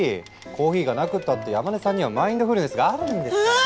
コーヒーがなくったって山根さんにはマインドフルネスがあるんですから。